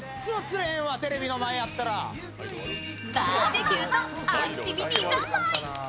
バーベキューとアクティビティー三昧。